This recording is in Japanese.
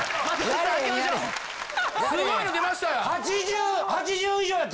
すごいの出ましたやん！